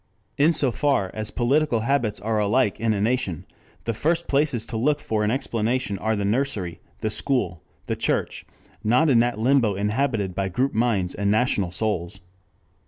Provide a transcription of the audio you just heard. In so far as political habits are alike in a nation, the first places to look for an explanation are the nursery, the school, the church, not in that limbo inhabited by Group Minds and National Souls.